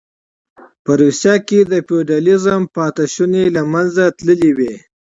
په روسیه کې د فیوډالېزم پاتې شوني له منځه تللې وې